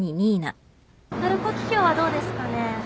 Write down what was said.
トルコキキョウはどうですかね？